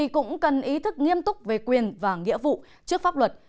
cũng cần ý thức nghiêm túc về quyền và nghĩa vụ trước pháp luật